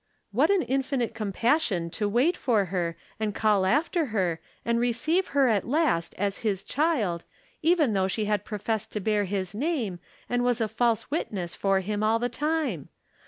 What an infinite compassion to wait for her, and call after her, and receive her at last as His child, even though she had professed to bear His name, and was a false witness for Him all the time